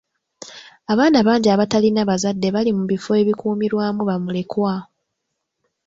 Abaana bangi abatalina bazadde Bali mu bifo ebikuumirwamu bamulekwa.